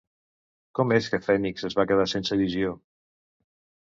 Com és que Fènix es va quedar sense visió?